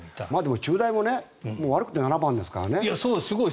中大も悪くて７番ですからね。